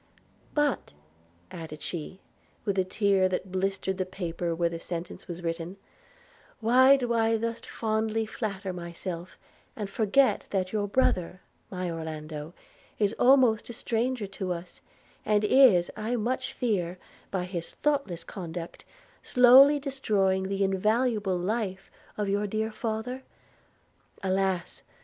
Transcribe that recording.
'But,' added she, while a tear had blistered the paper where the sentence was written, 'why do I thus fondly flatter myself, and forget that your brother, my Orlando, is almost a stranger to us, and is, I much fear, by his thoughtless conduct, slowly destroying the invaluable life of your dear father? Alas!